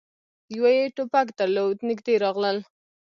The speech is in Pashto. يوه يې ټوپک درلود. نږدې راغلل،